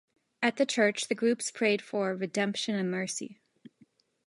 At the church the groups prayed for "redemption and mercy".